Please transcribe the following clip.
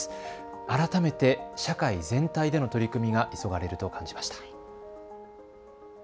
改めて社会全体での取り組みが急がれると感じました。